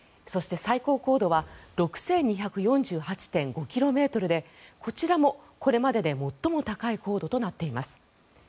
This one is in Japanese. そして最高高度は６２４８．５ｋｍでこちらもこれまでで最も高い高度となっています。